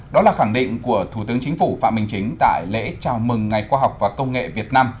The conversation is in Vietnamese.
đó là khẳng định của thủ tướng chính phủ phạm minh chính tại lễ chào mừng ngày khoa học và công nghệ việt nam